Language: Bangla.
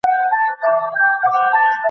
যদি না পারি, তাহলে আর বসতিতে ফিরে আসব না।